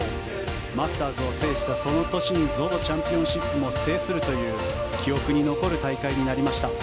マスターズを制したその年にＺＯＺＯチャンピオンシップも制するという記憶に残る大会になりました。